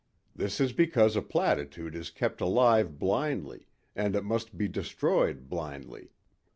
This is because a platitude is kept alive blindly and it must be destroyed blindly.